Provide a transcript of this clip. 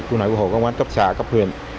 công an hồ hồ công an cấp xã cấp huyện